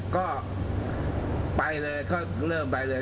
ก็ไปเลยก็เริ่มไปเลย